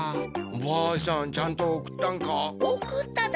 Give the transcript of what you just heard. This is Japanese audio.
ばあさんちゃんと送ったんか？